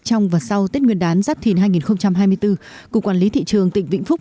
trong và sau tết nguyên đán giáp thìn hai nghìn hai mươi bốn cục quản lý thị trường tỉnh vĩnh phúc